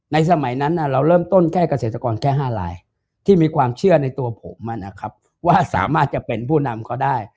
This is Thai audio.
สมัยนั้นเราเริ่มต้นแค่เกษตรกรแค่๕ลายที่มีความเชื่อในตัวผมนะครับว่าสามารถจะเป็นผู้นำก็ได้